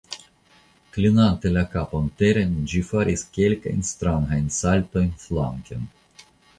Klinante la kapon teren, ĝi faris kelkajn strangajn saltojn flanken.